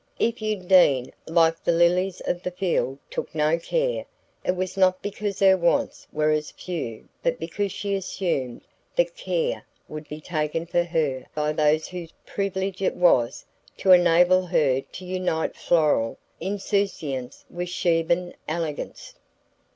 If Undine, like the lilies of the field, took no care, it was not because her wants were as few but because she assumed that care would be taken for her by those whose privilege it was to enable her to unite floral insouciance with Sheban elegance.